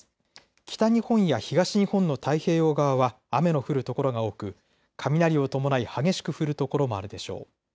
北日本や東日本の太平洋側は雨の降る所が多く雷を伴い激しく降る所もあるでしょう。